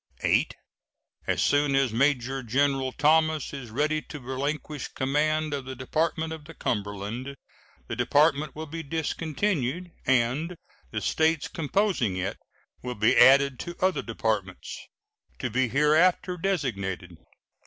VIII. As soon as Major General Thomas is ready to relinquish command of the Department of the Cumberland, the department will be discontinued, and the States composing it will be added to other departments, to be hereafter designated.